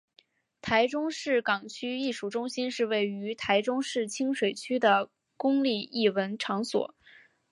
台中市港区艺术中心是位于台中市清水区的公立艺文场所。